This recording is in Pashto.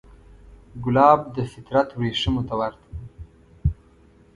ګلاب د فطرت وریښمو ته ورته دی.